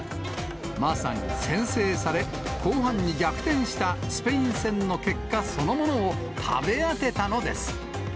まさに先制され、後半に逆転したスペイン戦の結果そのものを食べ当てたのです。